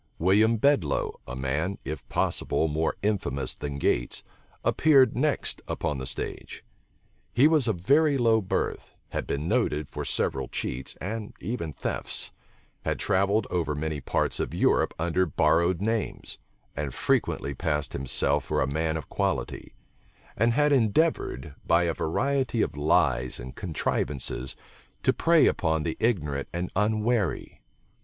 William Bedloe, a man, if possible, more infamous than Gates, appeared next upon the stage. He was of very low birth, had been noted for several cheats, and even thefts; had travelled over many parts of Europe under borrowed names, and frequently passed himself for a man of quality; and had endeavored, by a variety of lies and contrivances, to prey upon the ignorant and unwary.